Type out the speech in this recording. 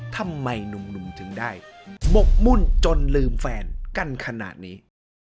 ทำไมหนุ่มถึงได้หมกมุ่นจนลืมแฟนกันขนาดนี้